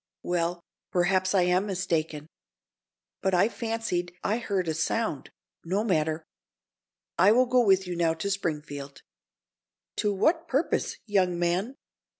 "Well, perhaps I am mistaken. But I fancied I heard such a sound. No matter. I will go with you now to Springfield." "To what purpose, young man?"